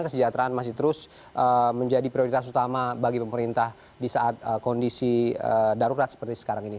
kesejahteraan masih terus menjadi prioritas utama bagi pemerintah di saat kondisi darurat seperti sekarang ini